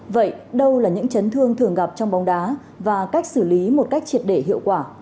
vậy đâu là những chấn thương thường gặp trong bóng đá và cách xử lý một cách triệt để hiệu quả